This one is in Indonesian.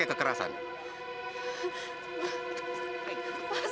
saya gak bersalah pak